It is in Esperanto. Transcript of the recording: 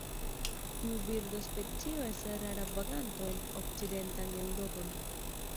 Tiu birdospecio estas rara vaganto en okcidentan Eŭropon.